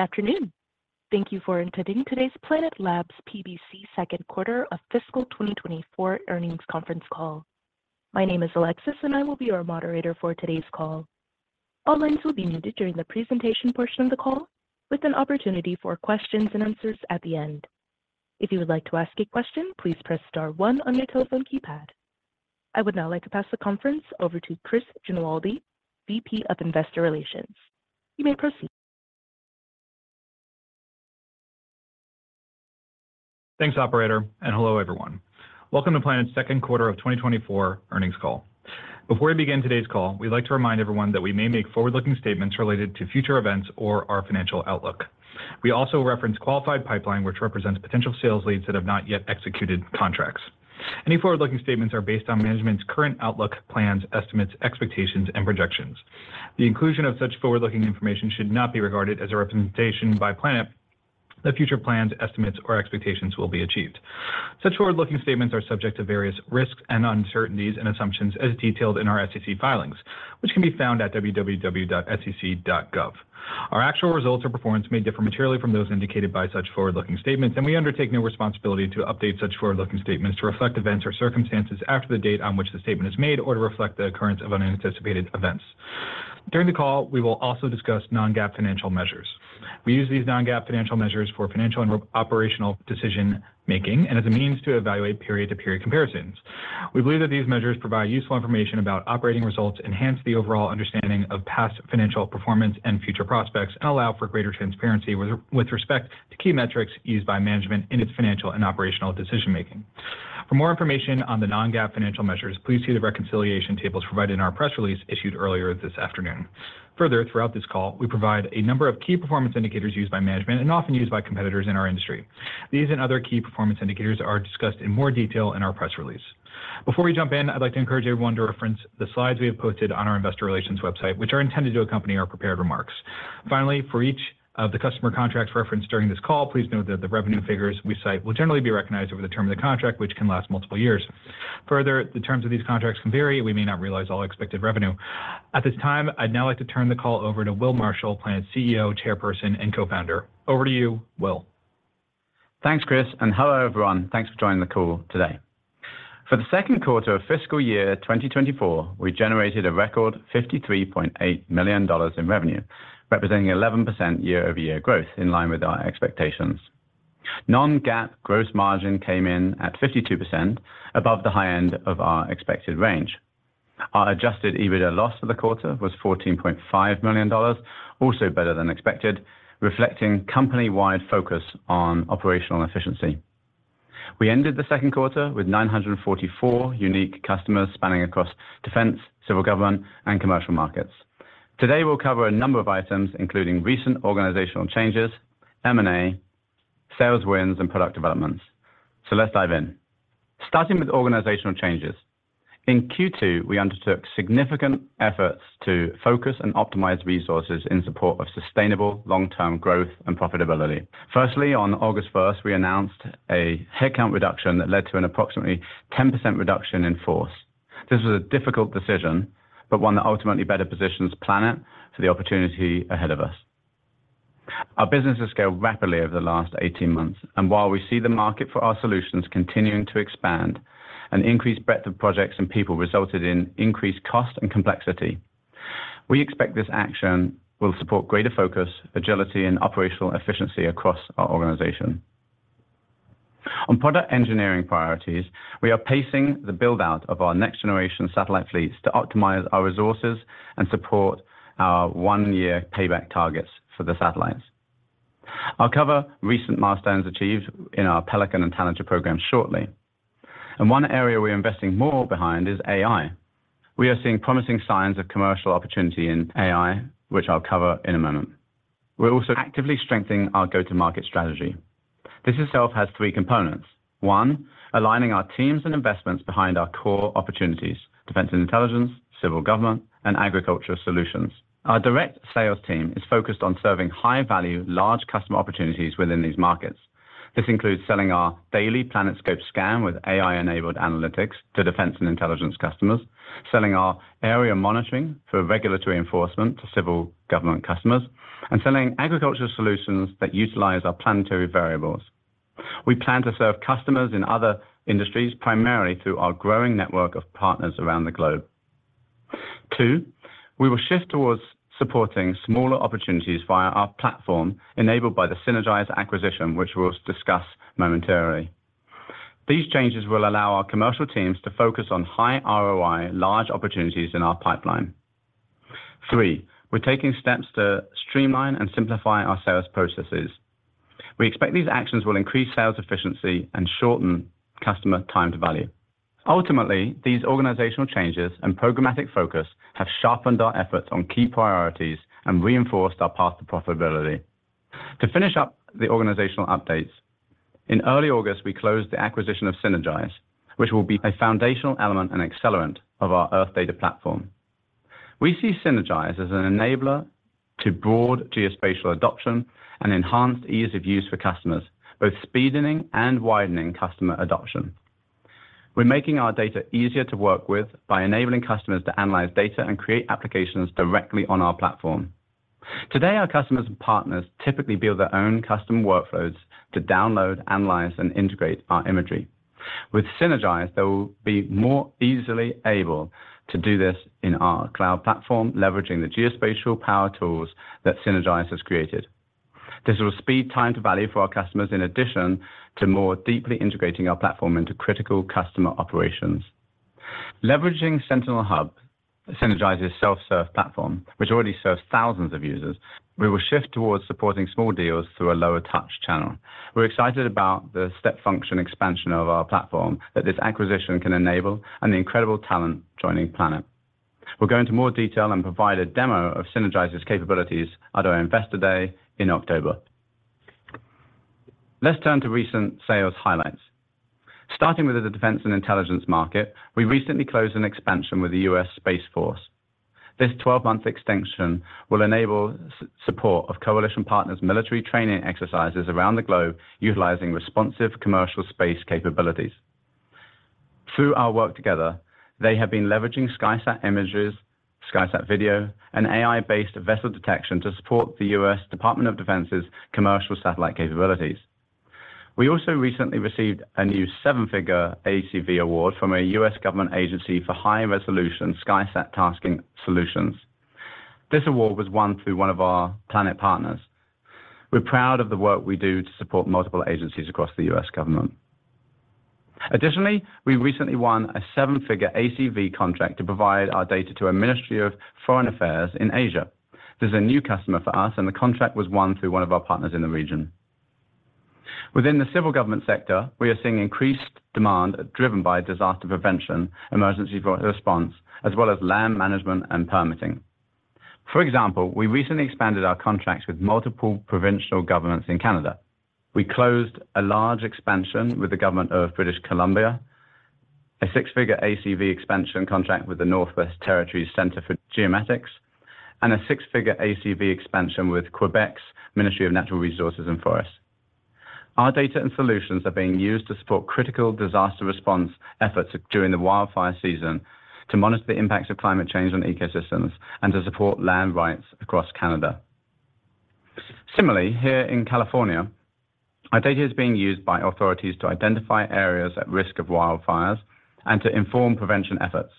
Good afternoon. Thank you for attending today's Planet Labs PBC second quarter of fiscal 2024 earnings conference call. My name is Alexis, and I will be your moderator for today's call. All lines will be muted during the presentation portion of the call, with an opportunity for questions and answers at the end. If you would like to ask a question, please press star one on your telephone keypad. I would now like to pass the conference over to Chris Genualdi, VP of Investor Relations. You may proceed. Thanks, operator, and hello everyone. Welcome to Planet's second quarter of 2024 earnings call. Before we begin today's call, we'd like to remind everyone that we may make forward-looking statements related to future events or our financial outlook. We also reference qualified pipeline, which represents potential sales leads that have not yet executed contracts. Any forward-looking statements are based on management's current outlook, plans, estimates, expectations, and projections. The inclusion of such forward-looking information should not be regarded as a representation by Planet that future plans, estimates, or expectations will be achieved. Such forward-looking statements are subject to various risks and uncertainties and assumptions as detailed in our SEC filings, which can be found at www.sec.gov. Our actual results or performance may differ materially from those indicated by such forward-looking statements, and we undertake no responsibility to update such forward-looking statements to reflect events or circumstances after the date on which the statement is made or to reflect the occurrence of unanticipated events. During the call, we will also discuss non-GAAP financial measures. We use these non-GAAP financial measures for financial and operational decision-making and as a means to evaluate period-to-period comparisons. We believe that these measures provide useful information about operating results, enhance the overall understanding of past financial performance and future prospects, and allow for greater transparency with, with respect to key metrics used by management in its financial and operational decision-making. For more information on the non-GAAP financial measures, please see the reconciliation tables provided in our press release issued earlier this afternoon. Further, throughout this call, we provide a number of key performance indicators used by management and often used by competitors in our industry. These and other key performance indicators are discussed in more detail in our press release. Before we jump in, I'd like to encourage everyone to reference the slides we have posted on our investor relations website, which are intended to accompany our prepared remarks. Finally, for each of the customer contracts referenced during this call, please note that the revenue figures we cite will generally be recognized over the term of the contract, which can last multiple years. Further, the terms of these contracts can vary. We may not realize all expected revenue. At this time, I'd now like to turn the call over to Will Marshall, Planet's CEO, Chairperson, and Co-founder. Over to you, Will. Thanks, Chris, and hello, everyone. Thanks for joining the call today. For the second quarter of fiscal year 2024, we generated a record $53.8 million in revenue, representing 11% year-over-year growth in line with our expectations. Non-GAAP gross margin came in at 52% above the high end of our expected range. Our adjusted EBITDA loss for the quarter was $14.5 million, also better than expected, reflecting company-wide focus on operational efficiency. We ended the second quarter with 944 unique customers spanning across defense, civil government, and commercial markets. Today, we'll cover a number of items, including recent organizational changes, M&A, sales wins, and product developments. So let's dive in. Starting with organizational changes. In Q2, we undertook significant efforts to focus and optimize resources in support of sustainable long-term growth and profitability. Firstly, on August 1st, we announced a headcount reduction that led to an approximately 10% reduction in force. This was a difficult decision, but one that ultimately better positions Planet for the opportunity ahead of us. Our business has scaled rapidly over the last 18 months, and while we see the market for our solutions continuing to expand, an increased breadth of projects and people resulted in increased cost and complexity. We expect this action will support greater focus, agility, and operational efficiency across our organization. On product engineering priorities, we are pacing the build-out of our next generation satellite fleets to optimize our resources and support our 1-year payback targets for the satellites. I'll cover recent milestones achieved in our Pelican and Tanager programs shortly, and one area we're investing more behind is AI. We are seeing promising signs of commercial opportunity in AI, which I'll cover in a moment. We're also actively strengthening our go-to-market strategy. This itself has three components. One, aligning our teams and investments behind our core opportunities: defense and intelligence, civil government, and agriculture solutions. Our direct sales team is focused on serving high-value, large customer opportunities within these markets. This includes selling our daily PlanetScope scan with AI-enabled analytics to defense and intelligence customers, selling our Area Monitoring for regulatory enforcement to civil government customers, and selling agriculture solutions that utilize our Planetary Variables. We plan to serve customers in other industries, primarily through our growing network of partners around the globe. Two, we will shift towards supporting smaller opportunities via our platform, enabled by the Sinergise acquisition, which we'll discuss momentarily. These changes will allow our commercial teams to focus on high ROI, large opportunities in our pipeline. Three, we're taking steps to streamline and simplify our sales processes. We expect these actions will increase sales efficiency and shorten customer time-to-value. Ultimately, these organizational changes and programmatic focus have sharpened our efforts on key priorities and reinforced our path to profitability. To finish up the organizational updates, in early August, we closed the acquisition of Sinergise, which will be a foundational element and accelerant of our Earth data platform. We see Sinergise as an enabler to broad geospatial adoption and enhanced ease of use for customers, both speeding and widening customer adoption.... We're making our data easier to work with by enabling customers to analyze data and create applications directly on our platform. Today, our customers and partners typically build their own custom workflows to download, analyze, and integrate our imagery. With Sinergise, they will be more easily able to do this in our cloud platform, leveraging the geospatial power tools that Sinergise has created. This will speed time-to-value for our customers, in addition to more deeply integrating our platform into critical customer operations. Leveraging Sentinel Hub, Sinergise's self-serve platform, which already serves thousands of users, we will shift towards supporting small deals through a lower touch channel. We're excited about the step function expansion of our platform that this acquisition can enable, and the incredible talent joining Planet. We'll go into more detail and provide a demo of Sinergise's capabilities at our Investor Day in October. Let's turn to recent sales highlights. Starting with the defense and intelligence market, we recently closed an expansion with the U.S. Space Force. This 12-month extension will enable support of coalition partners' military training exercises around the globe, utilizing responsive commercial space capabilities. Through our work together, they have been leveraging SkySat images, SkySat video, and AI-based vessel detection to support the U.S. Department of Defense's commercial satellite capabilities. We also recently received a new seven-figure ACV award from a U.S. government agency for high-resolution SkySat tasking solutions. This award was won through one of our Planet partners. We're proud of the work we do to support multiple agencies across the U.S. government. Additionally, we recently won a seven-figure ACV contract to provide our data to a Ministry of Foreign Affairs in Asia. This is a new customer for us, and the contract was won through one of our partners in the region. Within the civil government sector, we are seeing increased demand driven by disaster prevention, emergency response, as well as land management and permitting. For example, we recently expanded our contracts with multiple provincial governments in Canada. We closed a large expansion with the Government of British Columbia, a six-figure ACV expansion contract with the Northwest Territories Centre for Geomatics, and a six-figure ACV expansion with Quebec's Ministry of Natural Resources and Forests. Our data and solutions are being used to support critical disaster response efforts during the wildfire season, to monitor the impacts of climate change on ecosystems, and to support land rights across Canada. Similarly, here in California, our data is being used by authorities to identify areas at risk of wildfires and to inform prevention efforts.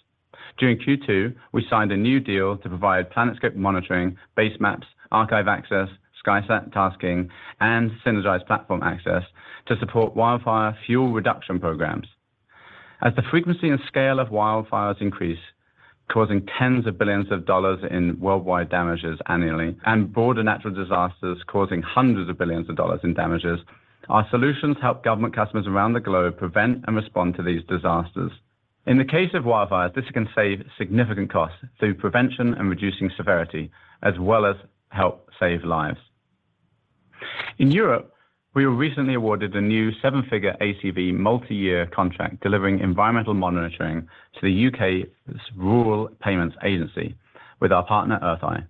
During Q2, we signed a new deal to provide PlanetScope monitoring, Basemaps, archive access, SkySat tasking, and Sinergise platform access to support wildfire fuel reduction programs. As the frequency and scale of wildfires increase, causing $10s of billions of dollars in worldwide damages annually, and broader natural disasters causing $100s of billions of dollars in damages, our solutions help government customers around the globe prevent and respond to these disasters. In the case of wildfires, this can save significant costs through prevention and reducing severity, as well as help save lives. In Europe, we were recently awarded a new seven-figure ACV multi-year contract, delivering environmental monitoring to the U.K.'s Rural Payments Agency with our partner, Earth-i.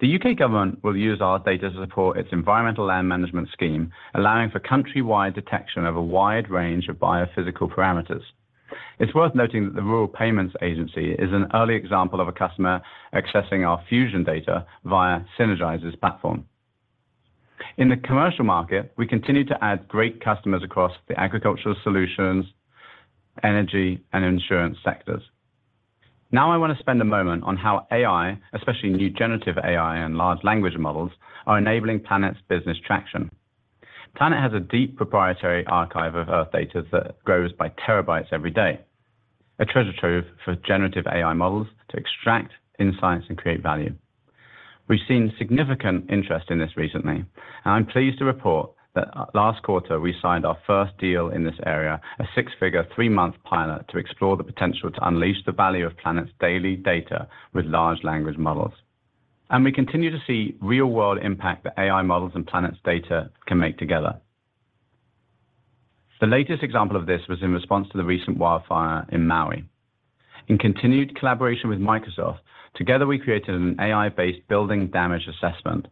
The U.K. government will use our data to support its Environmental Land Management scheme, allowing for countrywide detection of a wide range of biophysical parameters. It's worth noting that the Rural Payments Agency is an early example of a customer accessing our fusion data via Sinergise's platform. In the commercial market, we continue to add great customers across the agricultural solutions, energy, and insurance sectors. Now, I want to spend a moment on how AI, especially new Generative AI and Large Language Models, are enabling Planet's business traction. Planet has a deep proprietary archive of Earth data that grows by terabytes every day, a treasure trove for Generative AI models to extract insights and create value. We've seen significant interest in this recently, and I'm pleased to report that, last quarter, we signed our first deal in this area, a six-figure, three-month pilot, to explore the potential to unleash the value of Planet's daily data with Large Language Models. We continue to see real-world impact that AI models and Planet's data can make together. The latest example of this was in response to the recent wildfire in Maui. In continued collaboration with Microsoft, together, we created an AI-based Building Damage Assessment.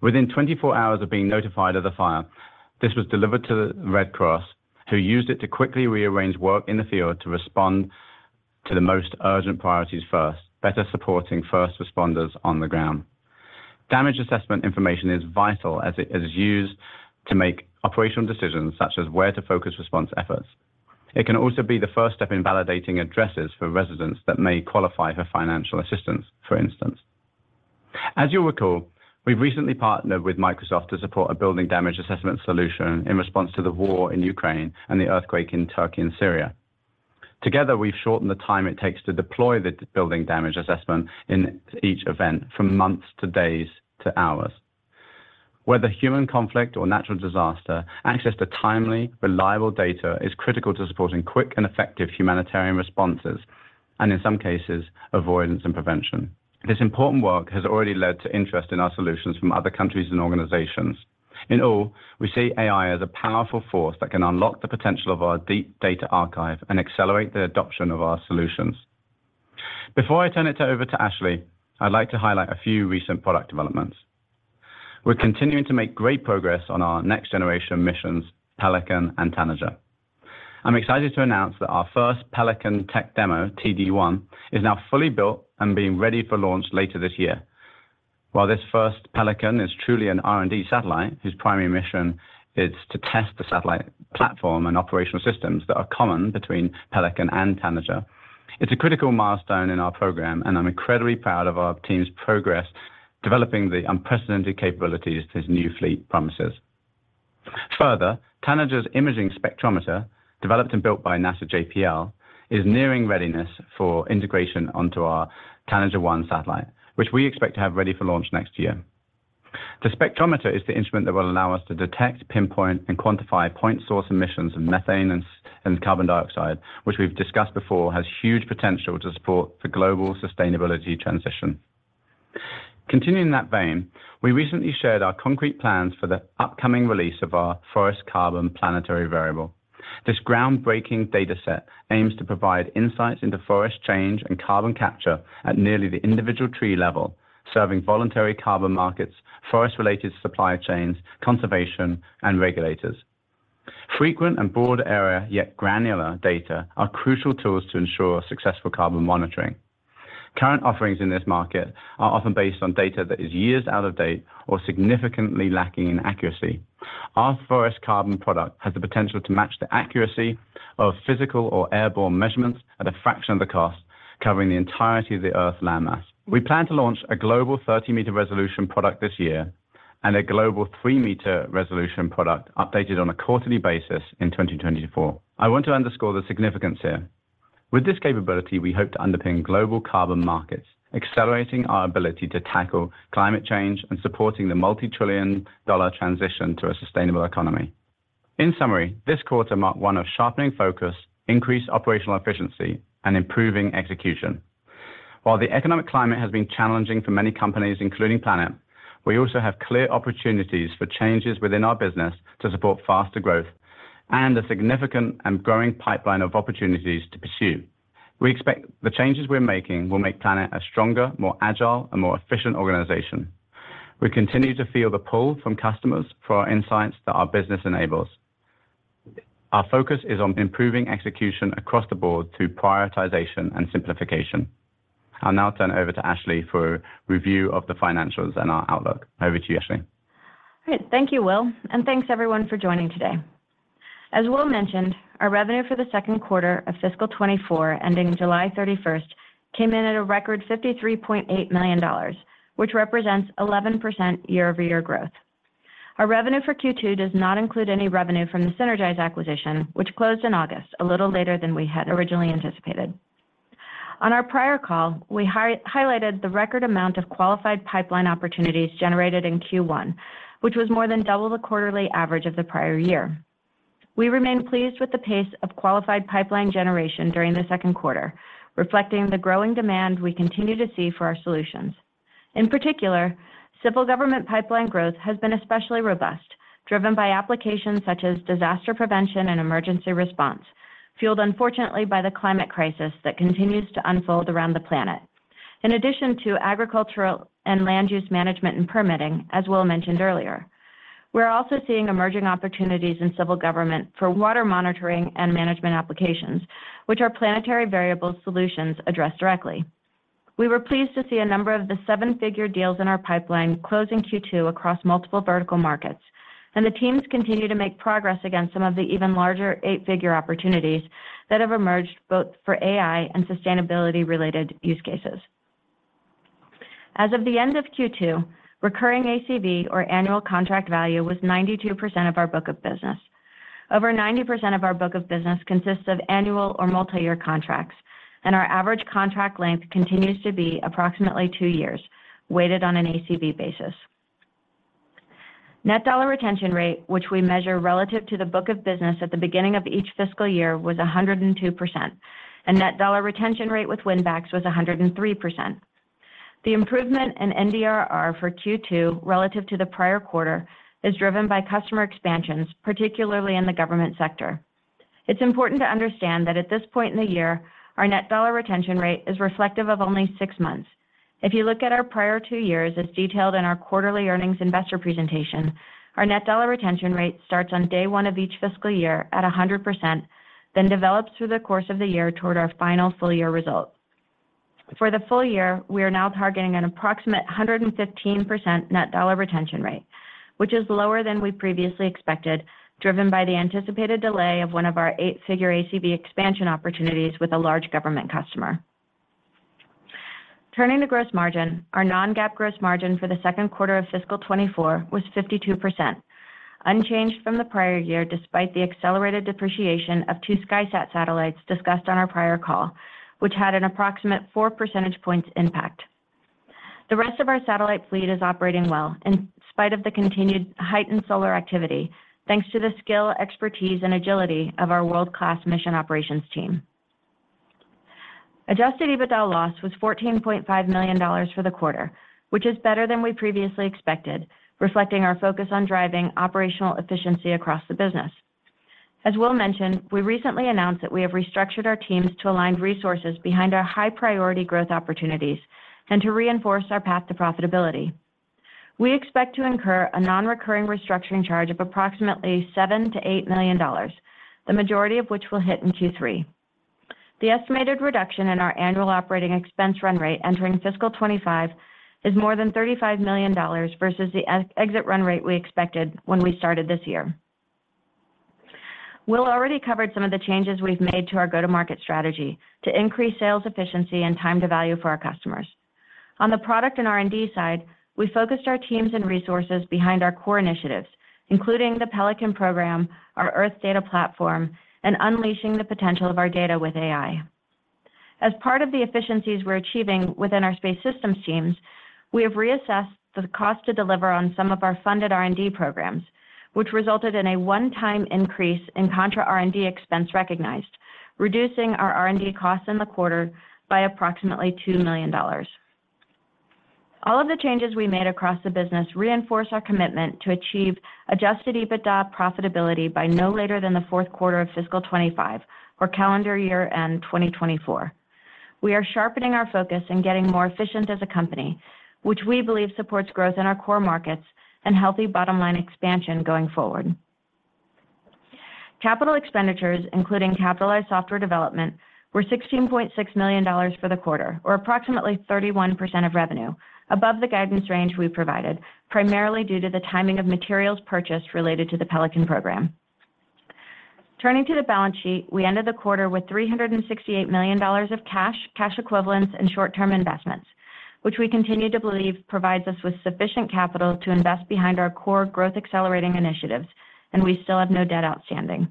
Within 24 hours of being notified of the fire, this was delivered to the Red Cross, who used it to quickly rearrange work in the field to respond to the most urgent priorities first, better supporting first responders on the ground. Damage assessment information is vital as it is used to make operational decisions, such as where to focus response efforts. It can also be the first step in validating addresses for residents that may qualify for financial assistance, for instance. As you'll recall, we've recently partnered with Microsoft to support a Building Damage Assessment solution in response to the war in Ukraine and the earthquake in Turkey and Syria. Together, we've shortened the time it takes to deploy the Building Damage Assessment in each event from months, to days, to hours. Whether human conflict or natural disaster, access to timely, reliable data is critical to supporting quick and effective humanitarian responses, and in some cases, avoidance and prevention. This important work has already led to interest in our solutions from other countries and organizations. In all, we see AI as a powerful force that can unlock the potential of our deep data archive and accelerate the adoption of our solutions.... Before I turn it over to Ashley, I'd like to highlight a few recent product developments. We're continuing to make great progress on our next generation missions, Pelican and Tanager. I'm excited to announce that our first Pelican tech demo, TD-1, is now fully built and being ready for launch later this year. While this first Pelican is truly an R&D satellite, whose primary mission is to test the satellite platform and operational systems that are common between Pelican and Tanager, it's a critical milestone in our program, and I'm incredibly proud of our team's progress, developing the unprecedented capabilities this new fleet promises. Further, Tanager's imaging spectrometer, developed and built by NASA JPL, is nearing readiness for integration onto our Tanager-1 satellite, which we expect to have ready for launch next year. The spectrometer is the instrument that will allow us to detect, pinpoint, and quantify point source emissions of methane and carbon dioxide, which we've discussed before, has huge potential to support the global sustainability transition. Continuing in that vein, we recently shared our concrete plans for the upcoming release of our Forest Carbon Planetary Variable. This groundbreaking data set aims to provide insights into forest change and carbon capture at nearly the individual tree level, serving voluntary carbon markets, forest-related supply chains, conservation, and regulators. Frequent and broad area, yet granular data, are crucial tools to ensure successful carbon monitoring. Current offerings in this market are often based on data that is years out of date or significantly lacking in accuracy. Our forest carbon product has the potential to match the accuracy of physical or airborne measurements at a fraction of the cost, covering the entirety of the Earth's landmass. We plan to launch a global 30-meter resolution product this year and a global three-meter resolution product updated on a quarterly basis in 2024. I want to underscore the significance here. With this capability, we hope to underpin global carbon markets, accelerating our ability to tackle climate change and supporting the multi-trillion dollar transition to a sustainable economy. In summary, this quarter marked one of sharpening focus, increased operational efficiency, and improving execution. While the economic climate has been challenging for many companies, including Planet, we also have clear opportunities for changes within our business to support faster growth and a significant and growing pipeline of opportunities to pursue. We expect the changes we're making will make Planet a stronger, more agile, and more efficient organization. We continue to feel the pull from customers for our insights that our business enables. Our focus is on improving execution across the board through prioritization and simplification. I'll now turn over to Ashley for review of the financials and our outlook. Over to you, Ashley. Great. Thank you, Will, and thanks everyone for joining today. As Will mentioned, our revenue for the second quarter of fiscal 2024, ending July 31st, came in at a record $53.8 million, which represents 11% year-over-year growth. Our revenue for Q2 does not include any revenue from the Sinergise acquisition, which closed in August, a little later than we had originally anticipated. On our prior call, we highlighted the record amount of qualified pipeline opportunities generated in Q1, which was more than double the quarterly average of the prior year. We remain pleased with the pace of qualified pipeline generation during the second quarter, reflecting the growing demand we continue to see for our solutions. In particular, civil government pipeline growth has been especially robust, driven by applications such as disaster prevention and emergency response, fueled, unfortunately, by the climate crisis that continues to unfold around the planet. In addition to agricultural and land use management and permitting, as Will mentioned earlier, we're also seeing emerging opportunities in civil government for water monitoring and management applications, which our Planetary Variables solutions address directly. We were pleased to see a number of the seven-figure deals in our pipeline closing Q2 across multiple vertical markets, and the teams continue to make progress against some of the even larger eight-figure opportunities that have emerged, both for AI and sustainability-related use cases. As of the end of Q2, recurring ACV or annual contract value was 92% of our book of business. Over 90% of our book of business consists of annual or multi-year contracts, and our average contract length continues to be approximately two years, weighted on an ACV basis. Net dollar retention rate, which we measure relative to the book of business at the beginning of each fiscal year, was 102%, and net dollar retention rate with win backs was 103%. The improvement in NDRR for Q2 relative to the prior quarter is driven by customer expansions, particularly in the government sector. It's important to understand that at this point in the year, our net dollar retention rate is reflective of only six months. If you look at our prior two years, as detailed in our quarterly earnings investor presentation, our net dollar retention rate starts on day one of each fiscal year at 100%, then develops through the course of the year toward our final full year results. For the full year, we are now targeting an approximate 115% net dollar retention rate, which is lower than we previously expected, driven by the anticipated delay of one of our eight-figure ACV expansion opportunities with a large government customer. Turning to gross margin. Our non-GAAP gross margin for the second quarter of fiscal 2024 was 52%, unchanged from the prior year, despite the accelerated depreciation of two SkySat satellites discussed on our prior call, which had an approximate four percentage points impact. The rest of our satellite fleet is operating well in spite of the continued heightened solar activity, thanks to the skill, expertise, and agility of our world-class mission operations team. Adjusted EBITDA loss was $14.5 million for the quarter, which is better than we previously expected, reflecting our focus on driving operational efficiency across the business. As Will mentioned, we recently announced that we have restructured our teams to align resources behind our high-priority growth opportunities and to reinforce our path to profitability. We expect to incur a non-recurring restructuring charge of approximately $7-$8 million, the majority of which will hit in Q3. The estimated reduction in our annual operating expense run rate entering fiscal 2025 is more than $35 million versus the exit run rate we expected when we started this year. Will already covered some of the changes we've made to our go-to-market strategy to increase sales efficiency and time-to-value for our customers. On the product and R&D side, we focused our teams and resources behind our core initiatives, including the Pelican program, our Earth data platform, and unleashing the potential of our data with AI. As part of the efficiencies we're achieving within our space systems teams, we have reassessed the cost to deliver on some of our funded R&D programs, which resulted in a one-time increase in contra R&D expense recognized, reducing our R&D costs in the quarter by approximately $2 million. All of the changes we made across the business reinforce our commitment to achieve adjusted EBITDA profitability by no later than the fourth quarter of fiscal 25 or calendar year end 2024. We are sharpening our focus and getting more efficient as a company, which we believe supports growth in our core markets and healthy bottom line expansion going forward. Capital expenditures, including capitalized software development, were $16.6 million for the quarter, or approximately 31% of revenue, above the guidance range we provided, primarily due to the timing of materials purchased related to the Pelican program. Turning to the balance sheet, we ended the quarter with $368 million of cash, cash equivalents, and short-term investments, which we continue to believe provides us with sufficient capital to invest behind our core growth accelerating initiatives, and we still have no debt outstanding.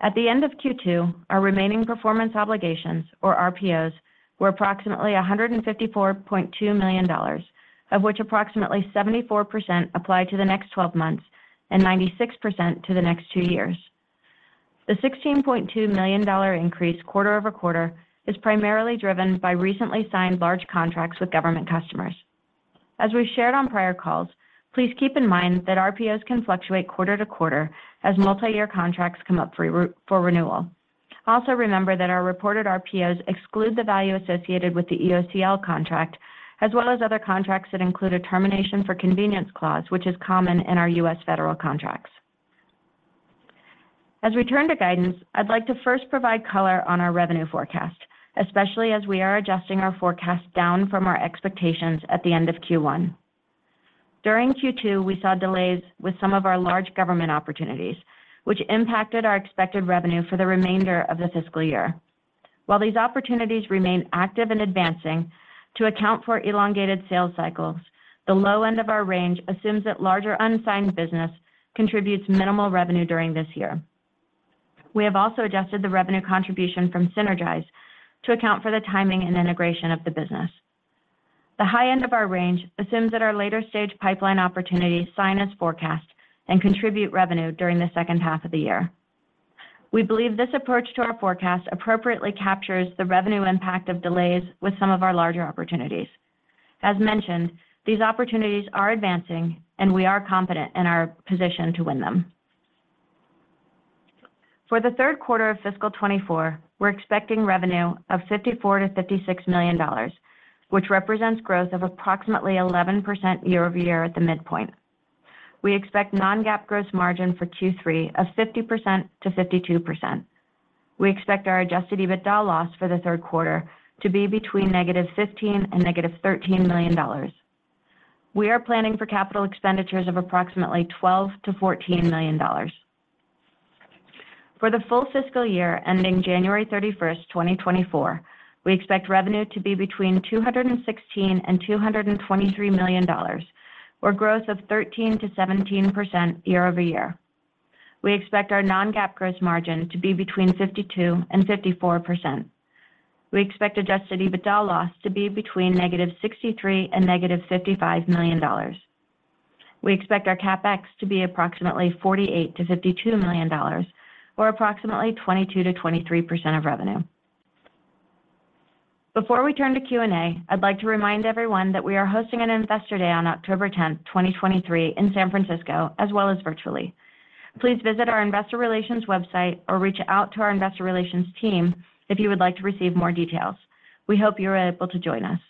At the end of Q2, our remaining performance obligations, or RPOs, were approximately $154.2 million, of which approximately 74% apply to the next twelve months and 96% to the next two years. The $16.2 million increase quarter-over-quarter is primarily driven by recently signed large contracts with government customers. As we've shared on prior calls, please keep in mind that RPOs can fluctuate quarter to quarter as multi-year contracts come up for renewal. Also, remember that our reported RPOs exclude the value associated with the EOCL contract, as well as other contracts that include a termination for convenience clause, which is common in our U.S. federal contracts. As we turn to guidance, I'd like to first provide color on our revenue forecast, especially as we are adjusting our forecast down from our expectations at the end of Q1. During Q2, we saw delays with some of our large government opportunities, which impacted our expected revenue for the remainder of the fiscal year. While these opportunities remain active and advancing, to account for elongated sales cycles, the low end of our range assumes that larger unsigned business contributes minimal revenue during this year. We have also adjusted the revenue contribution from Sinergise to account for the timing and integration of the business. The high end of our range assumes that our later-stage pipeline opportunities sign as forecast and contribute revenue during the second half of the year. We believe this approach to our forecast appropriately captures the revenue impact of delays with some of our larger opportunities. As mentioned, these opportunities are advancing, and we are confident in our position to win them. For the third quarter of fiscal 2024, we're expecting revenue of $54 million-$56 million, which represents growth of approximately 11% year-over-year at the midpoint. We expect non-GAAP gross margin for Q3 of 50%-52%. We expect our adjusted EBITDA loss for the third quarter to be between -$15 million and -$13 million. We are planning for capital expenditures of approximately $12 million-$14 million. For the full fiscal year ending January 31st, 2024, we expect revenue to be between $216 million and $223 million, or growth of 13%-17% year-over-year. We expect our non-GAAP gross margin to be between 52% and 54%. We expect Adjusted EBITDA loss to be between -$63 million and -$55 million. We expect our CapEx to be approximately $48 million-$52 million, or approximately 22%-23% of revenue. Before we turn to Q&A, I'd like to remind everyone that we are hosting an Investor Day on October 10th, 2023, in San Francisco, as well as virtually. Please visit our investor relations website or reach out to our investor relations team if you would like to receive more details. We hope you are able to join us.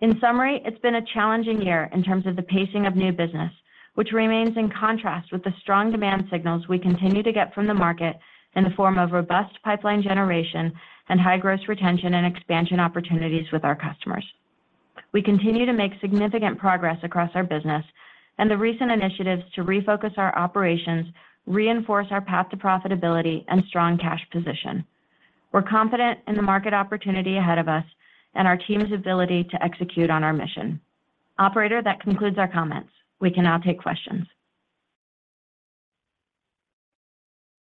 In summary, it's been a challenging year in terms of the pacing of new business, which remains in contrast with the strong demand signals we continue to get from the market in the form of robust pipeline generation and high gross retention and expansion opportunities with our customers. We continue to make significant progress across our business, and the recent initiatives to refocus our operations reinforce our path to profitability and strong cash position. We're confident in the market opportunity ahead of us and our team's ability to execute on our mission. Operator, that concludes our comments. We can now take questions.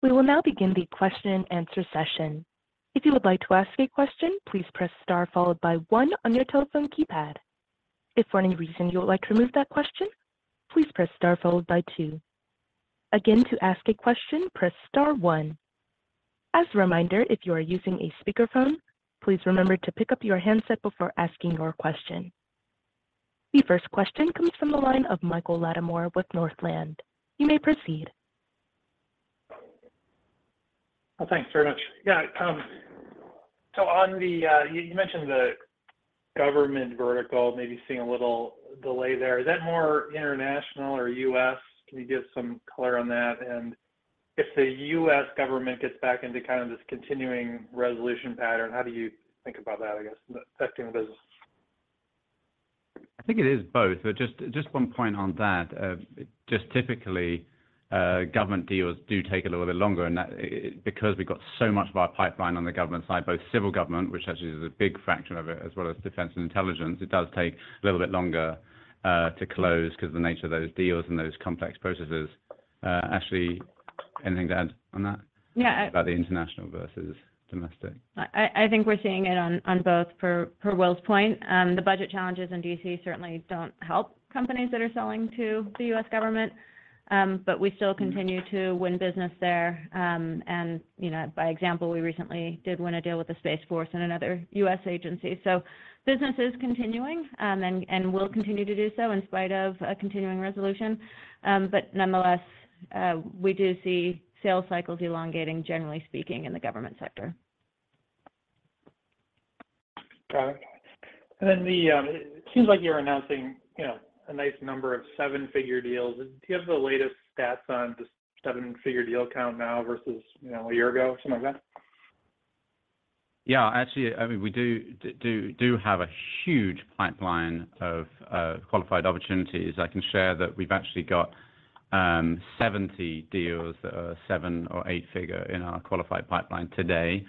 We will now begin the question and answer session. If you would like to ask a question, please press Star, followed by one on your telephone keypad. If for any reason you would like to remove that question, please press Star, followed by two. Again, to ask a question, press Star one. As a reminder, if you are using a speakerphone, please remember to pick up your handset before asking your question.... The first question comes from the line of Michael Latimore with Northland. You may proceed. Well, thanks very much. Yeah, so on the you mentioned the government vertical maybe seeing a little delay there. Is that more international or U.S.? Can you give some color on that? And if the U.S. government gets back into kind of this Continuing Resolution pattern, how do you think about that, I guess, affecting the business? I think it is both, but just one point on that. Just typically, government deals do take a little bit longer, and that because we've got so much of our pipeline on the government side, both civil government, which actually is a big fraction of it, as well as defense and intelligence, it does take a little bit longer to close because the nature of those deals and those complex processes. Ashley, anything to add on that? Yeah, I- About the international versus domestic. I think we're seeing it on both. For Will's point, the budget challenges in D.C. certainly don't help companies that are selling to the U.S. government. But we still continue- Mm-hmm... to win business there. And, you know, by example, we recently did win a deal with the Space Force and another U.S. agency. So business is continuing, and we'll continue to do so in spite of a Continuing Resolution. But nonetheless, we do see sales cycles elongating, generally speaking, in the government sector. Got it. And then the, it seems like you're announcing, you know, a nice number of seven-figure deals. Do you have the latest stats on just seven-figure deal count now versus, you know, a year ago, something like that? Yeah, actually, I mean, we do have a huge pipeline of qualified opportunities. I can share that we've actually got 70 deals that are seven or eight-figure in our qualified pipeline today.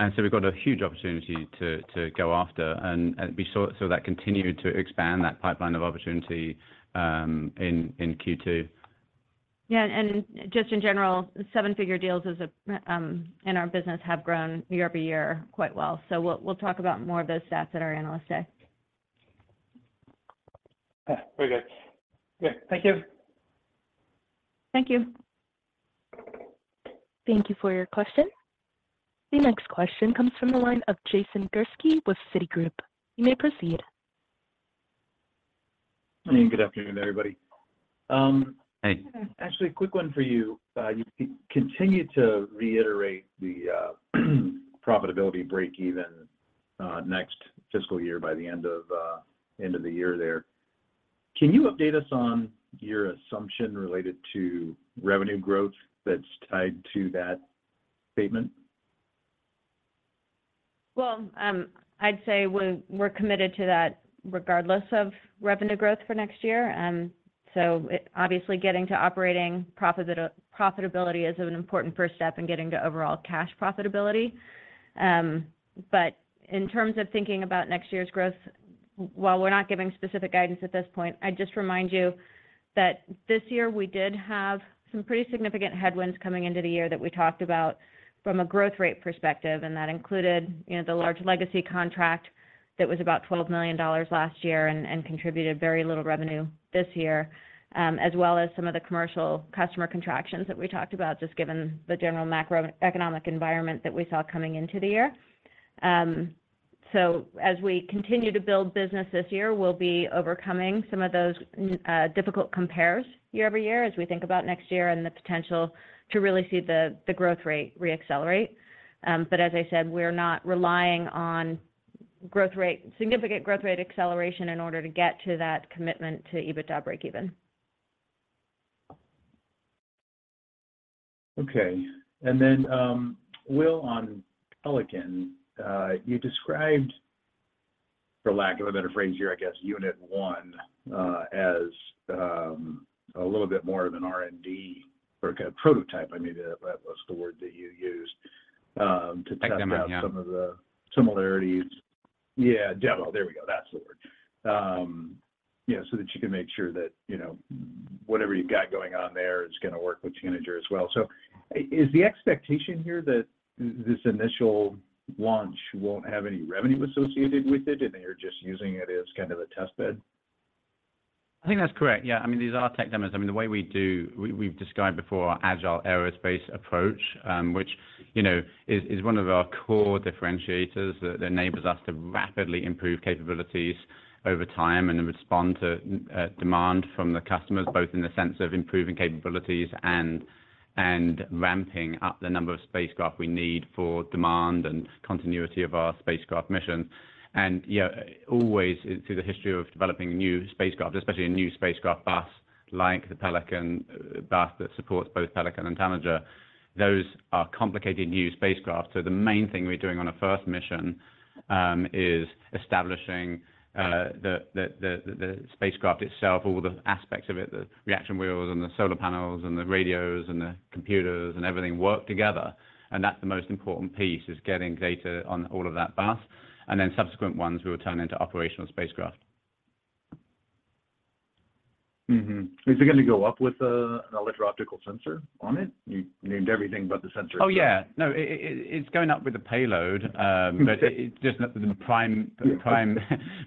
And so we've got a huge opportunity to go after, and so that continued to expand that pipeline of opportunity in Q2. Yeah, and just in general, seven-figure deals is a in our business, have grown year-over-year quite well. So we'll talk about more of those stats at our Analyst Day. Yeah, very good. Yeah, thank you. Thank you. Thank you for your question. The next question comes from the line of Jason Gursky with Citigroup. You may proceed. Hey, good afternoon, everybody. Hey. Hi. Ashley, a quick one for you. You continue to reiterate the profitability breakeven next fiscal year by the end of the year there. Can you update us on your assumption related to revenue growth that's tied to that statement? Well, I'd say we're committed to that regardless of revenue growth for next year. So it obviously, getting to operating profitability is an important first step in getting to overall cash profitability. But in terms of thinking about next year's growth, while we're not giving specific guidance at this point, I'd just remind you that this year we did have some pretty significant headwinds coming into the year that we talked about from a growth rate perspective, and that included, you know, the large legacy contract that was about $12 million last year and contributed very little revenue this year, as well as some of the commercial customer contractions that we talked about, just given the general macroeconomic environment that we saw coming into the year. So as we continue to build business this year, we'll be overcoming some of those, difficult compares year-over-year as we think about next year and the potential to really see the growth rate re-accelerate. But as I said, we're not relying on growth rate, significant growth rate acceleration in order to get to that commitment to EBITDA breakeven. Okay. And then, Will, on Pelican, you described, for lack of a better phrase here, I guess, unit one as a little bit more of an R&D or a kind of prototype. I mean, that was the word that you used to- Tech demo, yeah... test out some of the similarities. Yeah, demo, there we go. That's the word. You know, so that you can make sure that, you know, whatever you've got going on there is gonna work with Tanager as well. So is the expectation here that this initial launch won't have any revenue associated with it, and that you're just using it as kind of a test bed? I think that's correct. Yeah. I mean, these are tech demos. I mean, the way we do. We, we've described before our Agile Aerospace approach, which, you know, is one of our core differentiators that enables us to rapidly improve capabilities over time and then respond to demand from the customers, both in the sense of improving capabilities and ramping up the number of spacecraft we need for demand and continuity of our spacecraft mission. And, yeah, always through the history of developing new spacecraft, especially a new spacecraft bus, like the Pelican bus that supports both Pelican and Tanager, those are complicated new spacecraft. So the main thing we're doing on a first mission is establishing the spacecraft itself, all the aspects of it, the reaction wheels, and the solar panels, and the radios, and the computers, and everything work together. And that's the most important piece, is getting data on all of that bus, and then subsequent ones, we will turn into operational spacecraft. Mm-hmm. Is it gonna go up with an EO optical sensor on it? You named everything but the sensor. Oh, yeah. No, it’s going up with the payload. Okay... but it, just not the prime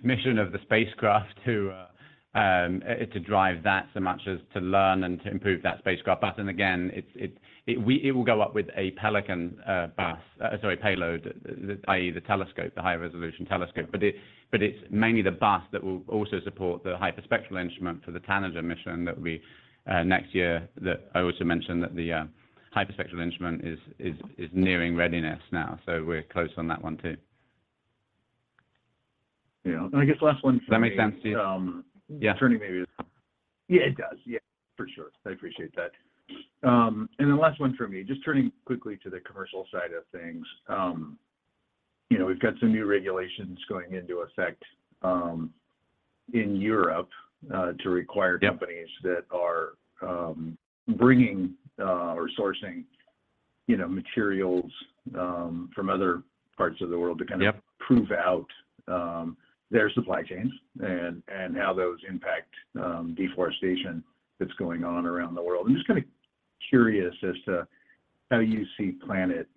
mission of the spacecraft to drive that so much as to learn and to improve that spacecraft. But then again, it will go up with a Pelican bus, sorry, payload, i.e., the telescope, the high-resolution telescope. But it, but it's mainly the bus that will also support the hyperspectral instrument for the Tanager mission that we next year, that I also mentioned, that the hyperspectral instrument is nearing readiness now. So we're close on that one too. Yeah. I guess last one for me- Does that make sense to you? Um- Yeah. Yeah, it does. Yeah, for sure. I appreciate that. And the last one for me, just turning quickly to the commercial side of things. You know, we've got some new regulations going into effect in Europe to require- Yep... companies that are, bringing, or sourcing, you know, materials, from other parts of the world- Yep to kind of prove out their supply chains and how those impact deforestation that's going on around the world. I'm just kind of curious as to how you see Planet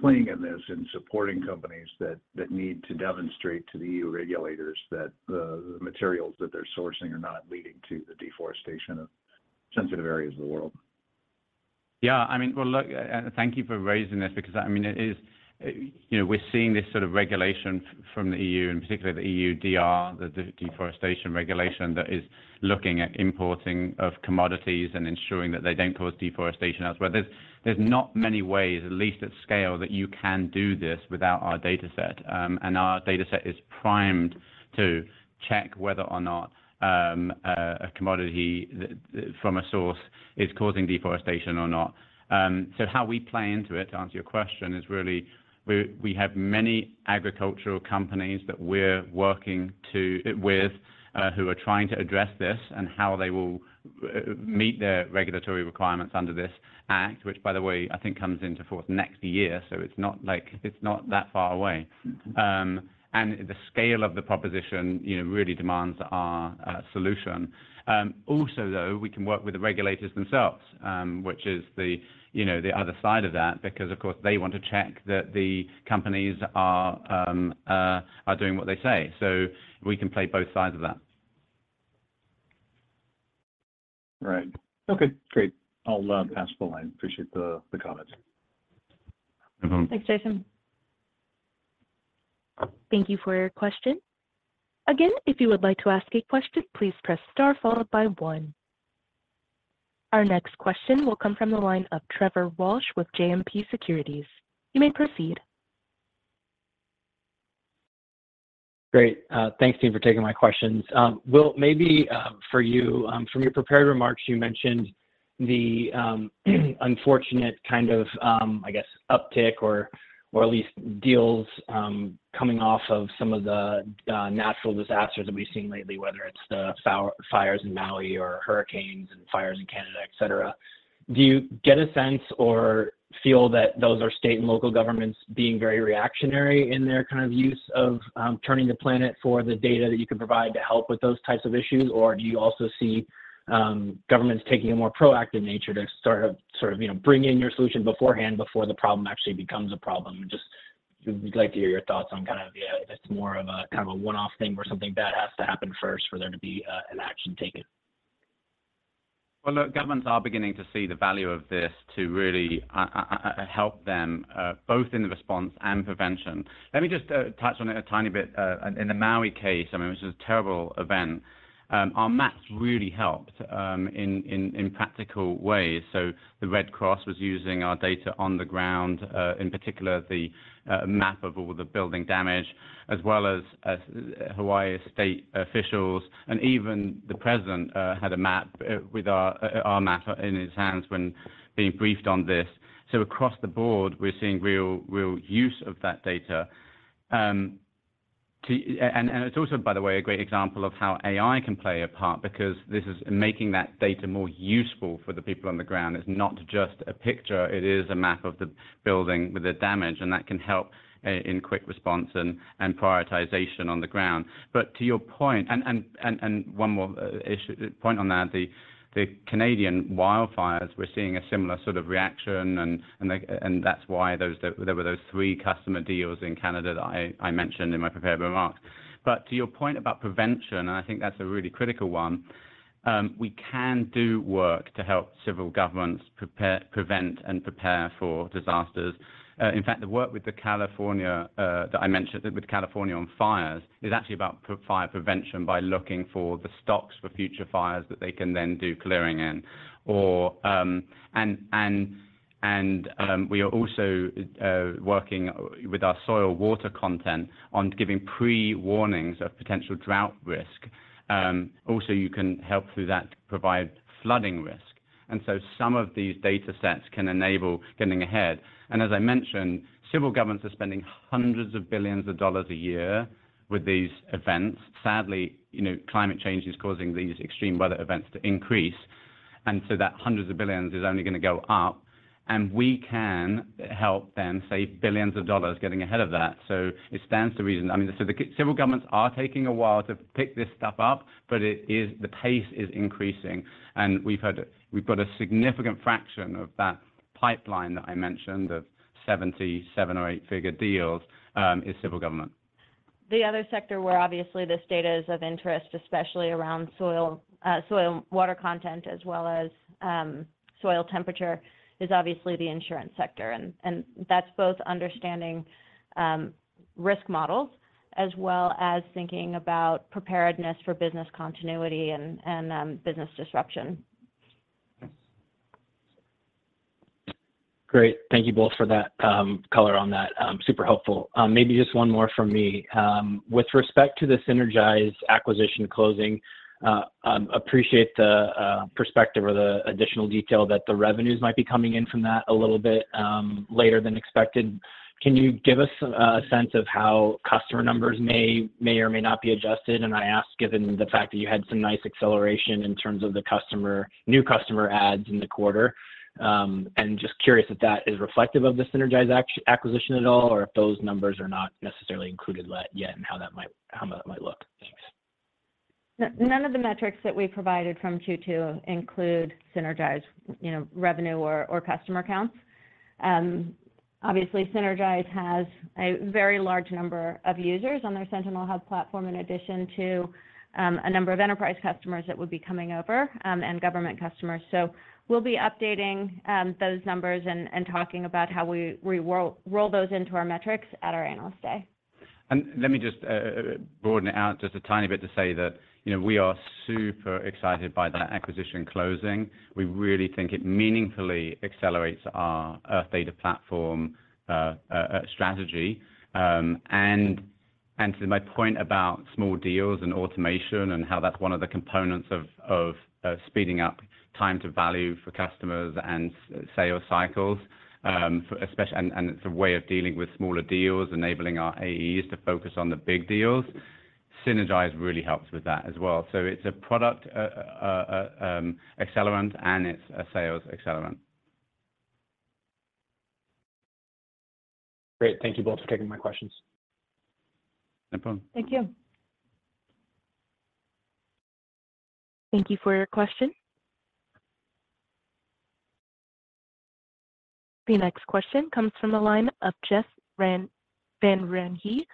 playing in this and supporting companies that need to demonstrate to the EU regulators that the materials that they're sourcing are not leading to the deforestation of sensitive areas of the world? Yeah, I mean, well, look, thank you for raising this because, I mean, it is, you know, we're seeing this sort of regulation from the EU, and particularly the EUDR, the deforestation regulation, that is looking at importing of commodities and ensuring that they don't cause deforestation elsewhere. There's not many ways, at least at scale, that you can do this without our data set. And our data set is primed to check whether or not a commodity from a source is causing deforestation or not. So how we play into it, to answer your question, is really we, we have many agricultural companies that we're working to, with, who are trying to address this and how they will meet their regulatory requirements under this act, which by the way, I think comes into force next year, so it's not like it's not that far away. Mm-hmm. And the scale of the proposition, you know, really demands our solution. Also, though, we can work with the regulators themselves, which is the, you know, the other side of that, because, of course, they want to check that the companies are doing what they say. So we can play both sides of that. Right. Okay, great. I'll pass the line. Appreciate the comments. Mm-hmm. Thanks, Jason. Thank you for your question. Again, if you would like to ask a question, please press star followed by one. Our next question will come from the line of Trevor Walsh with JMP Securities. You may proceed. Great. Thanks to you for taking my questions. Will, maybe for you, from your prepared remarks, you mentioned the unfortunate kind of, I guess, uptick or at least deals coming off of some of the natural disasters that we've seen lately, whether it's the fires in Maui or hurricanes and fires in Canada, et cetera. Do you get a sense or feel that those are state and local governments being very reactionary in their kind of use of turning to Planet for the data that you can provide to help with those types of issues? Or do you also see governments taking a more proactive nature to sort of, you know, bring in your solution beforehand before the problem actually becomes a problem? Just would like to hear your thoughts on kind of if it's more of a kind of a one-off thing where something bad has to happen first for there to be an action taken. Well, look, governments are beginning to see the value of this to really help them both in the response and prevention. Let me just touch on it a tiny bit. In the Maui case, I mean, it was a terrible event, our maps really helped in practical ways. So the Red Cross was using our data on the ground, in particular, the map of all the building damage, as well as Hawaii state officials, and even the president had a map with our map in his hands when being briefed on this. So across the board, we're seeing real, real use of that data. To... it's also, by the way, a great example of how AI can play a part because this is making that data more useful for the people on the ground. It's not just a picture, it is a map of the building with the damage, and that can help in quick response and prioritization on the ground. But to your point, and one more point on that, the Canadian wildfires, we're seeing a similar sort of reaction, and that's why there were those three customer deals in Canada that I mentioned in my prepared remarks. But to your point about prevention, and I think that's a really critical one, we can do work to help civil governments prepare, prevent, and prepare for disasters. In fact, the work with the California, that I mentioned with California on fires, is actually about fire prevention by looking for the stocks for future fires that they can then do clearing in. We are also working with our Soil Water Content on giving pre-warnings of potential drought risk. Also, you can help through that to provide flooding risk. And so some of these data sets can enable getting ahead. And as I mentioned, civil governments are spending hundreds of billions of dollars a year with these events. Sadly, you know, climate change is causing these extreme weather events to increase, and so that hundreds of billions is only gonna go up, and we can help them save billions of dollars getting ahead of that. So it stands to reason. I mean, so the civil governments are taking a while to pick this stuff up, but it is, the pace is increasing, and we've had a, we've got a significant fraction of that pipeline that I mentioned, of seven or eight-figure deals, is civil government. The other sector where obviously this data is of interest, especially around soil, soil water content, as well as, soil temperature, is obviously the insurance sector. And that's both understanding, risk models, as well as thinking about preparedness for business continuity and, business disruption. Great. Thank you both for that, color on that. Super helpful. Maybe just one more from me. With respect to the Sinergise acquisition closing, appreciate the perspective or the additional detail that the revenues might be coming in from that a little bit later than expected. Can you give us a sense of how customer numbers may or may not be adjusted? And I ask, given the fact that you had some nice acceleration in terms of the customer, new customer adds in the quarter. And just curious if that is reflective of the Sinergise acquisition at all, or if those numbers are not necessarily included yet, and how that might look? Thanks. None of the metrics that we provided from Q2 include Sinergise, you know, revenue or customer counts. Obviously, Sinergise has a very large number of users on their Sentinel Hub platform, in addition to a number of enterprise customers that would be coming over and government customers. So we'll be updating those numbers and talking about how we roll those into our metrics at our Analyst Day. And let me just, broaden it out just a tiny bit to say that, you know, we are super excited by that acquisition closing. We really think it meaningfully accelerates our Earth data platform, strategy. And, and to my point about small deals and automation and how that's one of the components of, of, speeding up time-to-value for customers and sales cycles, especially. And, and it's a way of dealing with smaller deals, enabling our AEs to focus on the big deals. Sinergise really helps with that as well. So it's a product, accelerant and it's a sales accelerant. Great. Thank you both for taking my questions. No problem. Thank you. Thank you for your question. The next question comes from the line of Jeff Van Rhee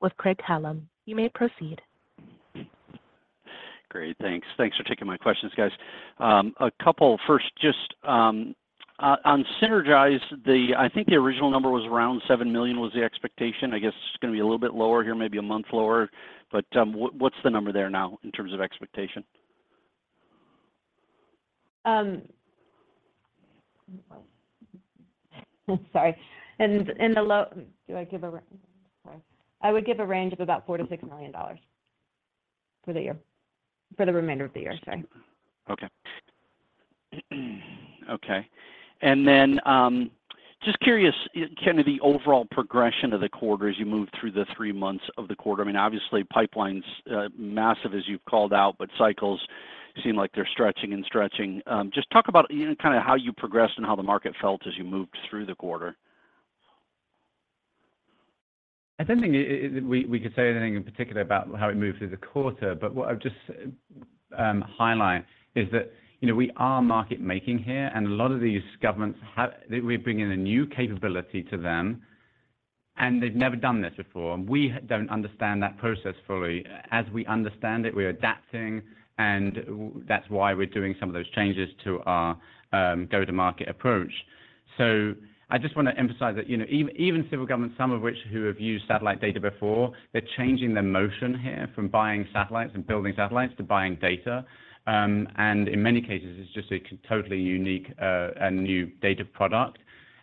with Craig-Hallum. You may proceed. Great, thanks. Thanks for taking my questions, guys. A couple. First, just on Sinergise, I think the original number was around $7 million was the expectation. I guess it's gonna be a little bit lower here, maybe a month lower, but, what's the number there now in terms of expectation? Sorry. I would give a range of about $4 million-$6 million for the year, for the remainder of the year, sorry. Okay. Okay. And then, just curious, kind of the overall progression of the quarter as you moved through the three months of the quarter. I mean, obviously, pipeline's massive, as you've called out, but cycles seem like they're stretching and stretching. Just talk about, you know, kinda how you progressed and how the market felt as you moved through the quarter. I don't think we could say anything in particular about how we moved through the quarter, but what I'd just highlight is that, you know, we are market making here, and a lot of these governments we're bringing a new capability to them, and they've never done this before, and we don't understand that process fully. As we understand it, we're adapting, and that's why we're doing some of those changes to our go-to-market approach. So I just wanna emphasize that, you know, even civil government, some of which who have used satellite data before, they're changing the motion here from buying satellites and building satellites to buying data. And in many cases, it's just a totally unique and new data product.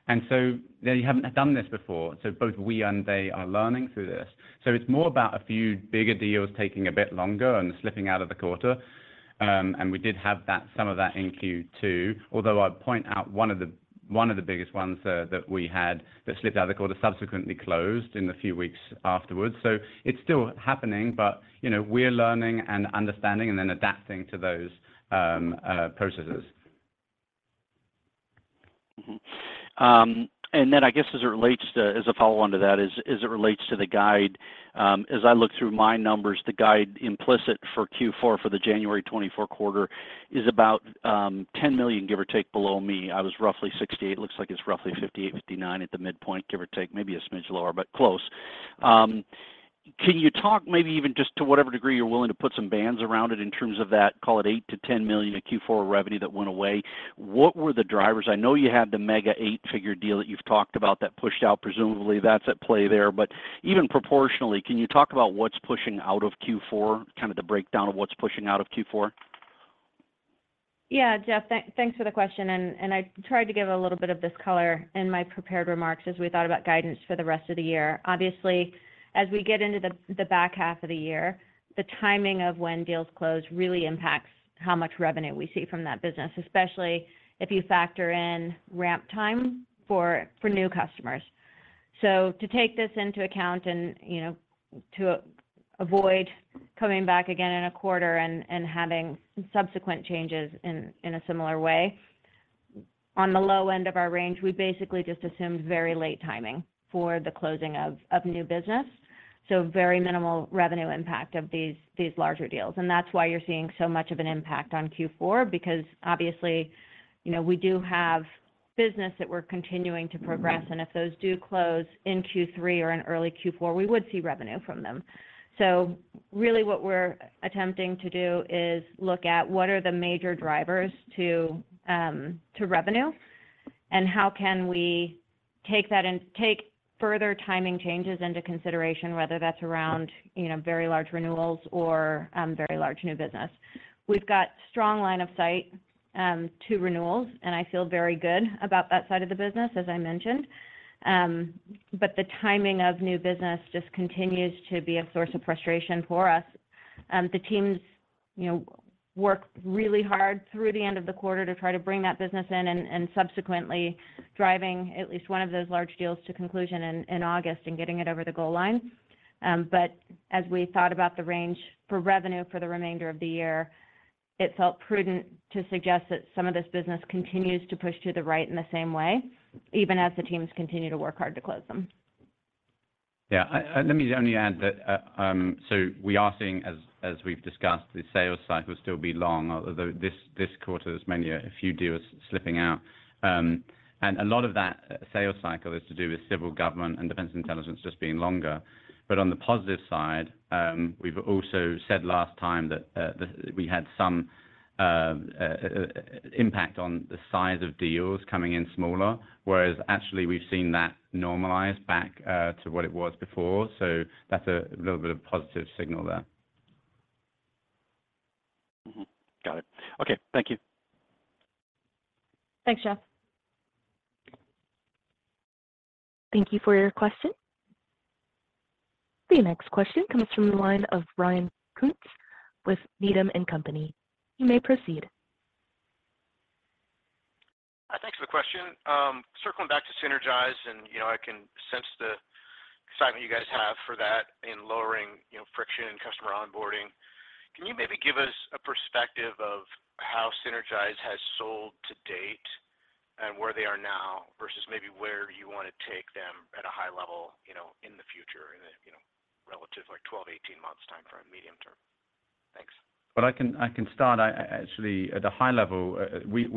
And so they haven't done this before, so both we and they are learning through this. So it's more about a few bigger deals taking a bit longer and slipping out of the quarter. And we did have that, some of that in Q2, although I'd point out one of the, one of the biggest ones that we had that slipped out of the quarter, subsequently closed in a few weeks afterwards. So it's still happening, but, you know, we're learning and understanding and then adapting to those processes. Mm-hmm. And then I guess as it relates to, as a follow-on to that is, as it relates to the guide, as I look through my numbers, the guide implicit for Q4, for the January 2024 quarter, is about $10 million, give or take, below me. I was roughly 68. It looks like it's roughly 58, 59 at the midpoint, give or take, maybe a smidge lower, but close. Can you talk, maybe even just to whatever degree you're willing to put some bands around it in terms of that, call it $8 million-$10 million in Q4 revenue that went away, what were the drivers? I know you had the mega eight-figure deal that you've talked about that pushed out. Presumably, that's at play there, but even proportionally, can you talk about what's pushing out of Q4, kind of the breakdown of what's pushing out of Q4? Yeah, Jeff, thanks for the question, and I tried to give a little bit of this color in my prepared remarks as we thought about guidance for the rest of the year. Obviously, as we get into the back half of the year, the timing of when deals close really impacts how much revenue we see from that business, especially if you factor in ramp time for new customers. So to take this into account and, you know, to avoid coming back again in a quarter and having subsequent changes in a similar way, on the low end of our range, we basically just assumed very late timing for the closing of new business, so very minimal revenue impact of these larger deals. And that's why you're seeing so much of an impact on Q4, because obviously, you know, we do have-... business that we're continuing to progress, and if those do close in Q3 or in early Q4, we would see revenue from them. So really what we're attempting to do is look at what are the major drivers to to revenue, and how can we take that and take further timing changes into consideration, whether that's around, you know, very large renewals or very large new business. We've got strong line of sight to renewals, and I feel very good about that side of the business, as I mentioned. But the timing of new business just continues to be a source of frustration for us. The teams, you know, worked really hard through the end of the quarter to try to bring that business in and subsequently driving at least one of those large deals to conclusion in August and getting it over the goal line. But as we thought about the range for revenue for the remainder of the year, it felt prudent to suggest that some of this business continues to push to the right in the same way, even as the teams continue to work hard to close them. Yeah. Let me only add that, so we are seeing as, as we've discussed, the sales cycle still be long, although this, this quarter there's many a few deals slipping out. And a lot of that sales cycle is to do with civil government and defense intelligence just being longer. But on the positive side, we've also said last time that we had some impact on the size of deals coming in smaller, whereas actually we've seen that normalize back to what it was before. So that's a little bit of positive signal there. Mm-hmm. Got it. Okay, thank you. Thanks, Jeff. Thank you for your question. The next question comes from the line of Ryan Koontz with Needham & Company. You may proceed. Hi, thanks for the question. Circling back to Sinergise, and, you know, I can sense the excitement you guys have for that in lowering, you know, friction and customer onboarding. Can you maybe give us a perspective of how Sinergise has sold to date and where they are now, versus maybe where you want to take them at a high level, you know, in the future, in a, you know, relative, like 12, 18 months' time frame, medium term? Thanks. Well, I can start. Actually, at a high level, we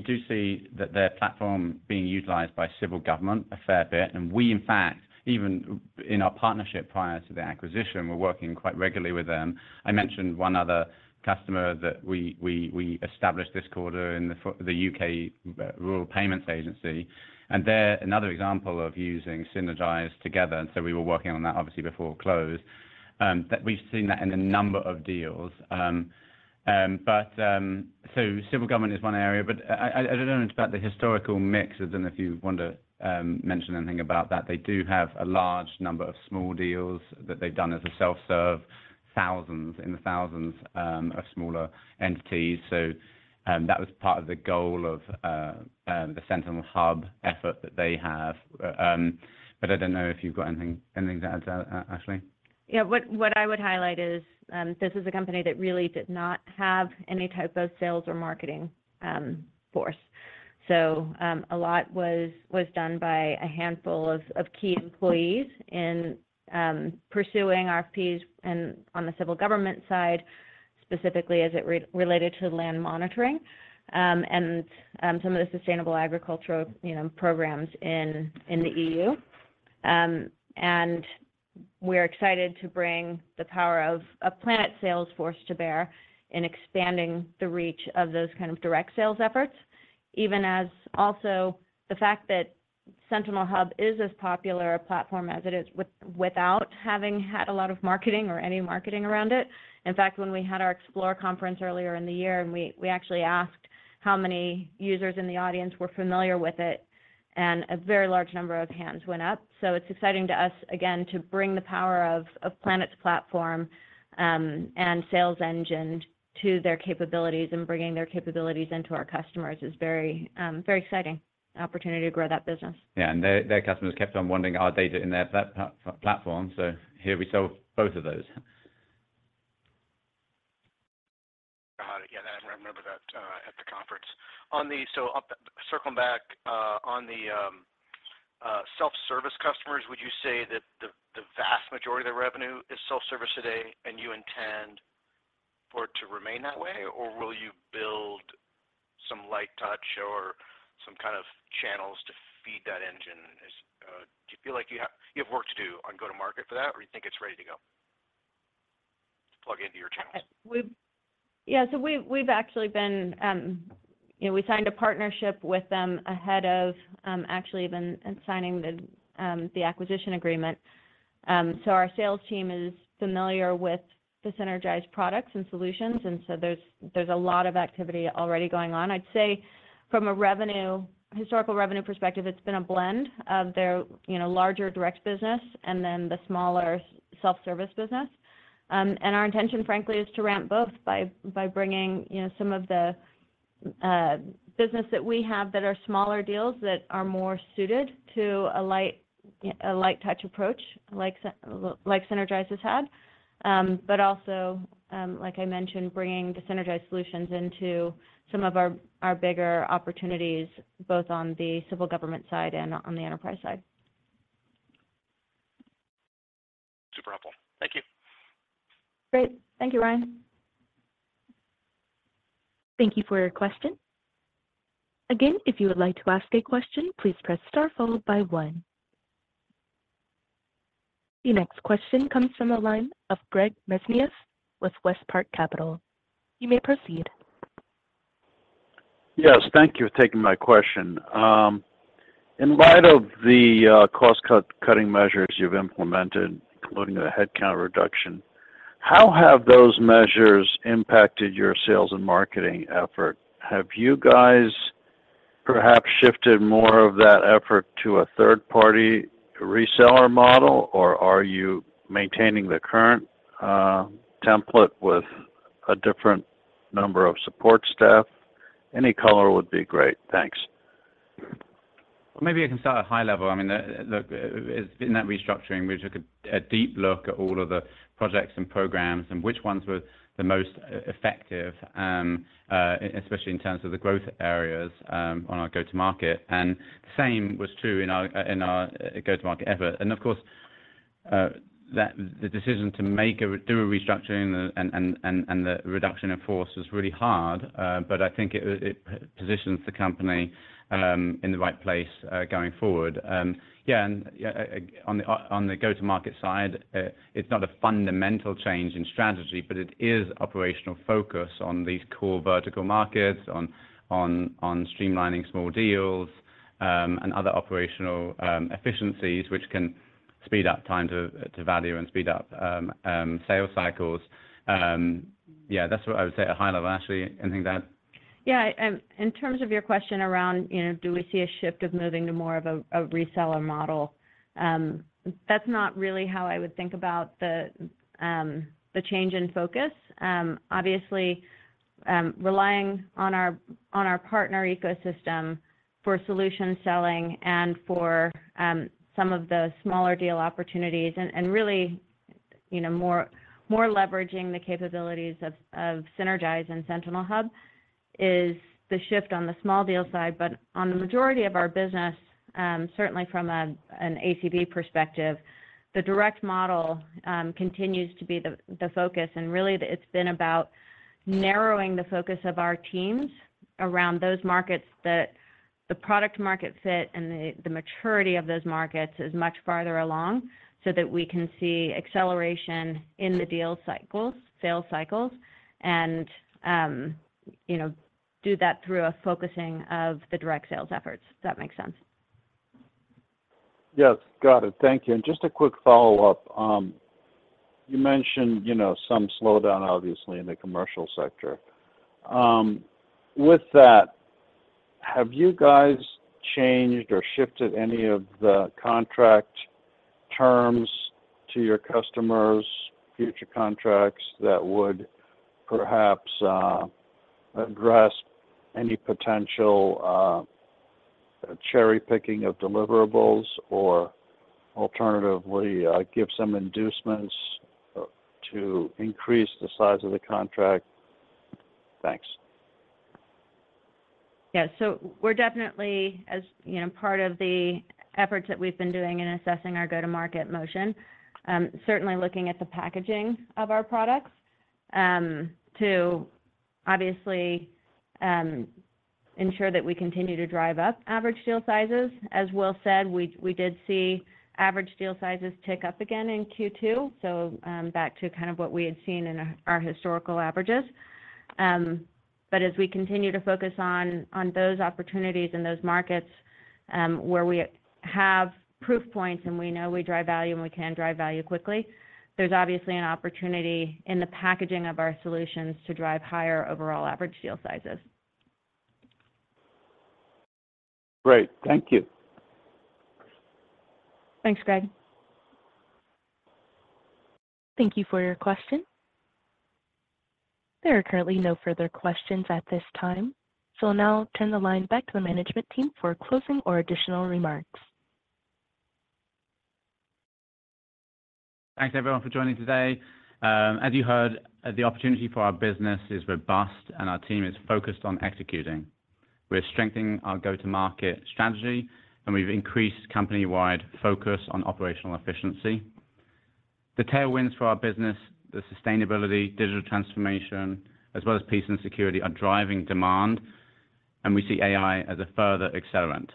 do see that their platform being utilized by civil government a fair bit, and we, in fact, even in our partnership prior to the acquisition, we're working quite regularly with them. I mentioned one other customer that we established this quarter in the U.K., Rural Payments Agency, and they're another example of using Sinergise together. And so we were working on that obviously before close, that we've seen that in a number of deals. But civil government is one area, but I don't know about the historical mix, and then if you want to mention anything about that, they do have a large number of small deals that they've done as a self-serve, thousands, in the thousands, of smaller entities. So, that was part of the goal of the Sentinel Hub effort that they have. But I don't know if you've got anything, anything to add to that, Ashley. Yeah. What I would highlight is, this is a company that really did not have any type of sales or marketing force. So, a lot was done by a handful of key employees in pursuing RFPs and on the civil government side, specifically as it related to land monitoring, and some of the sustainable agricultural, you know, programs in the EU. And we're excited to bring the power of a Planet sales force to bear in expanding the reach of those kind of direct sales efforts, even as also the fact that Sentinel Hub is as popular a platform as it is, without having had a lot of marketing or any marketing around it. In fact, when we had our Explore conference earlier in the year, and we actually asked how many users in the audience were familiar with it, and a very large number of hands went up. So it's exciting to us, again, to bring the power of Planet's platform and sales engine to their capabilities, and bringing their capabilities into our customers is very, very exciting opportunity to grow that business. Yeah, and their customers kept on wondering, are they in their platform? So here we sell both of those. Got it. Yeah, I remember that, at the conference. On the... So, circling back, on the, self-service customers, would you say that the, the vast majority of their revenue is self-service today, and you intend for it to remain that way? Or will you build some light-touch or some kind of channels to feed that engine? As, do you feel like you have, you have work to do on go-to-market for that, or you think it's ready to go, to plug into your channels? We've. Yeah, so we've, we've actually been, you know, we signed a partnership with them ahead of, actually even signing the, the acquisition agreement. So our sales team is familiar with the Sinergise products and solutions, and so there's, there's a lot of activity already going on. I'd say from a revenue, historical revenue perspective, it's been a blend of their, you know, larger direct business and then the smaller self-service business. And our intention, frankly, is to ramp both by, by bringing, you know, some of the, business that we have that are smaller deals that are more suited to a light, a light touch approach, like Sinergise has had. But also, like I mentioned, bringing the Sinergise solutions into some of our, our bigger opportunities, both on the civil government side and on the enterprise side.... Great. Thank you, Ryan. Thank you for your question. Again, if you would like to ask a question, please press star followed by one. The next question comes from the line of Greg Mesniaeff with WestPark Capital. You may proceed. Yes, thank you for taking my question. In light of the cost-cutting measures you've implemented, including the headcount reduction, how have those measures impacted your sales and marketing effort? Have you guys perhaps shifted more of that effort to a third-party reseller model, or are you maintaining the current template with a different number of support staff? Any color would be great. Thanks. Well, maybe I can start at high level. I mean, in that restructuring, we took a deep look at all of the projects and programs and which ones were the most effective, especially in terms of the growth areas on our go-to-market. And same was true in our go-to-market effort. And of course, the decision to do a restructuring and the reduction in force was really hard, but I think it positions the company in the right place going forward. Yeah, and yeah, on the go-to-market side, it's not a fundamental change in strategy, but it is operational focus on these core vertical markets, on streamlining small deals, and other operational efficiencies, which can speed up time-to-value and speed up sales cycles. Yeah, that's what I would say at a high level. Ashley, anything to add? Yeah, in terms of your question around, you know, do we see a shift of moving to more of a, a reseller model, that's not really how I would think about the, the change in focus. Obviously, relying on our, on our partner ecosystem for solution selling and for, some of the smaller deal opportunities and, and really, you know, more, more leveraging the capabilities of, of Sinergise and Sentinel Hub is the shift on the small deal side. But on the majority of our business, certainly from a, an ACV perspective, the direct model, continues to be the, the focus. Really, it's been about narrowing the focus of our teams around those markets that the product-market fit and the maturity of those markets is much farther along, so that we can see acceleration in the deal cycles, sales cycles, and, you know, do that through a focusing of the direct sales efforts, if that makes sense. Yes, got it. Thank you. Just a quick follow-up. You mentioned, you know, some slowdown, obviously, in the commercial sector. With that, have you guys changed or shifted any of the contract terms to your customers, future contracts, that would perhaps address any potential cherry-picking of deliverables or alternatively give some inducements to increase the size of the contract? Thanks. Yeah, so we're definitely, as you know, part of the efforts that we've been doing in assessing our go-to-market motion, certainly looking at the packaging of our products, to obviously ensure that we continue to drive up average deal sizes. As Will said, we did see average deal sizes tick up again in Q2, so back to kind of what we had seen in our historical averages. But as we continue to focus on those opportunities in those markets, where we have proof points and we know we drive value and we can drive value quickly, there's obviously an opportunity in the packaging of our solutions to drive higher overall average deal sizes. Great. Thank you. Thanks, Greg. Thank you for your question. There are currently no further questions at this time, so I'll now turn the line back to the management team for closing or additional remarks. Thanks, everyone, for joining today. As you heard, the opportunity for our business is robust, and our team is focused on executing. We're strengthening our go-to-market strategy, and we've increased company-wide focus on operational efficiency. The tailwinds for our business, the sustainability, digital transformation, as well as peace and security, are driving demand, and we see AI as a further accelerant.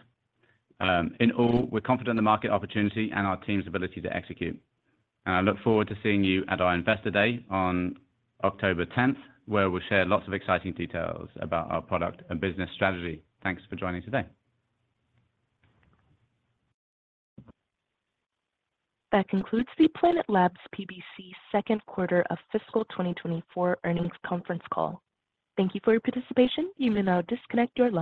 In all, we're confident in the market opportunity and our team's ability to execute, and I look forward to seeing you at our Investor Day on October 10th, where we'll share lots of exciting details about our product and business strategy. Thanks for joining today. That concludes the Planet Labs PBC second quarter of fiscal 2024 earnings conference call. Thank you for your participation. You may now disconnect your line.